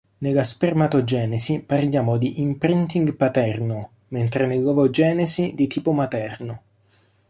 Nella spermatogenesi parliamo di imprinting paterno, mentre nell'ovogenesi di tipo materno.